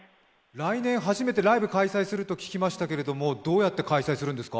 来年初めてライブ開催すると聞きましたけどどうやって開催するんですか？